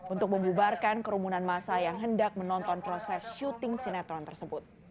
untuk membubarkan kerumunan masa yang hendak menonton proses syuting sinetron tersebut